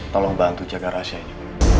tolong bantu jaga rahasianya